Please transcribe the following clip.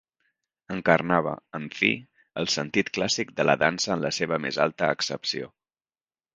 Encarnava, en fi, el sentit clàssic de la dansa en la seva més alta accepció.